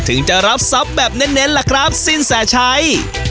ถึงจะรับทรัพย์แบบเน้นล่ะครับสินแสชัย